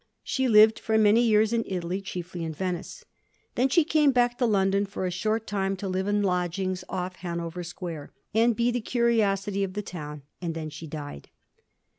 She lived for many years in Italy, chiefly in Venice. Then she came back to London for a short time to live in lodgings off Hanover Square, and be the curiosity of the town ; and then she died.